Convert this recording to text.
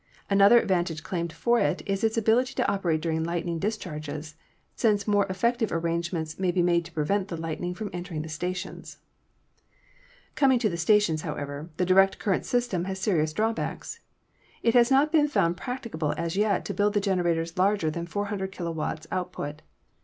Another advantage claimed for it is its ability to operate during lightning discharges, since more effec tive arrangements may be made to prevent the lightning from entering the stations. Coming to the stations, however, the direct current system has serious drawbacks. It has not been found practicable as yet to build the generators larger than 400 kw. output.